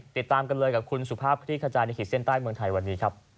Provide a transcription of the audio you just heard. ติดตามกันเลยกับคุณสุภาพคลี่ขจายในขีดเส้นใต้เมืองไทยวันนี้ครับ